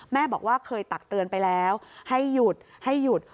แม่บอกว่าเคยตักเตือนไปแล้วให้หยุดให้หยุด